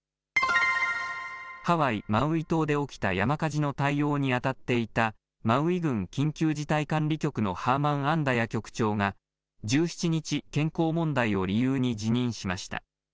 ハワイ・マウイ島で起きた山火事の対応にあたっていたマウイ郡緊急事態管理局のハーマン・アンダヤ局長が１７日、健康問題を理由に辞任しました。